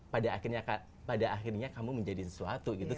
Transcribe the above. pada akhirnya kamu menjadi sesuatu gitu